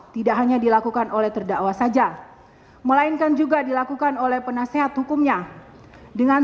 tidak hanya dilakukan oleh terdakwa saja melainkan juga dilakukan oleh penasehat hukumnya dengan